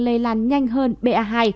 lây lan nhanh hơn ba hai